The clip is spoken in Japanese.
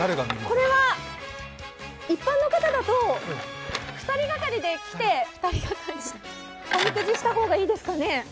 これは一般の方だと２人掛かりで来ておみくじした方がいいですね。